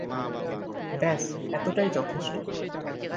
ব্যাস, এতটাই যথেষ্ট!